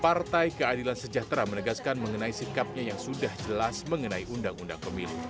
partai keadilan sejahtera menegaskan mengenai sikapnya yang sudah jelas mengenai undang undang pemilu